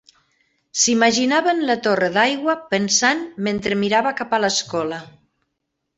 S'imaginaven la torre d'aigua pensant mentre mirava cap a l'escola.